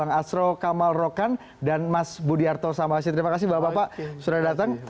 bang asro kamal rokan dan mas budiarto sambahasin terima kasih bang bapak sudah datang